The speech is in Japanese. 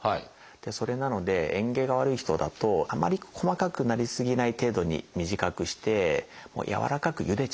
それなのでえん下が悪い人だとあまり細かくなりすぎない程度に短くしてやわらかくゆでちゃう。